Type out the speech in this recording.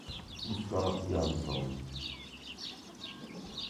Gustaf Jansson